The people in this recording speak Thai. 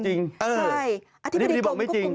ใช่อธิบดีโครงนี้คุณโรคบอกไม่จริง